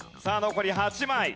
さあ残り８枚。